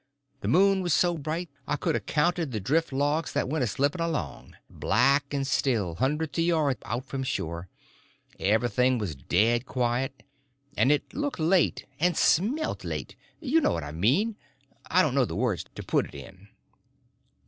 The moon was so bright I could a counted the drift logs that went a slipping along, black and still, hundreds of yards out from shore. Everything was dead quiet, and it looked late, and smelt late. You know what I mean—I don't know the words to put it in.